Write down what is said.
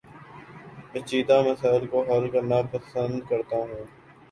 پیچیدہ مسائل کو حل کرنا پسند کرتا ہوں